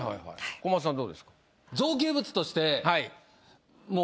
小松さんどうですか？